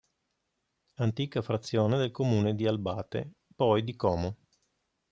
Antica frazione del Comune di Albate, poi di Como.